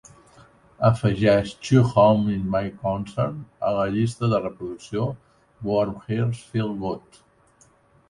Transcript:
Afegeix Two whom it may concern a la llista de reproducció Warm Hearts Feel Good.